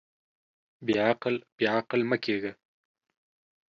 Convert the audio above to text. بېعقل، بېعقل مۀ کېږه.